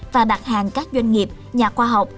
và đặt hàng các doanh nghiệp nhà khoa học